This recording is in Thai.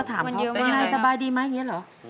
มันเยอะมากเลยครับแล้วก็ถามพี่หน่อยสบายดีไหมอย่างนี้เหรอ